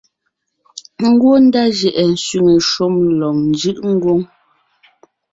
Ngwɔ́ ndá jʉʼɛ sẅiŋe shúm lɔg njʉʼ ngwóŋ;